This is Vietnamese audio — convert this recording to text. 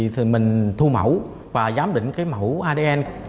thì mình thu mẫu và giám định cái mẫu adn